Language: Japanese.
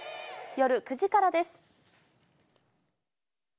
夜９時からです。